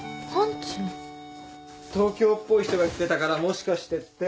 東京っぽい人が来てたからもしかしてって。